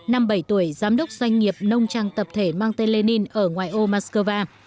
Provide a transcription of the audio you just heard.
năm bảy tuổi giám đốc doanh nghiệp nông trang tập thể mang tên lenin ở ngoài ô moscow